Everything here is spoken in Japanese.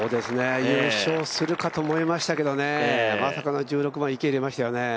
優勝するかと思いましたけどね、まさかの１６番、池に入れましたよね。